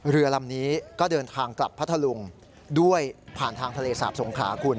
เรือลำนี้ก็เดินทางกลับพัทธลุงด้วยผ่านทางทะเลสาบสงขาคุณ